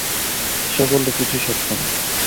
সে বললে, কিছুই শক্ত না।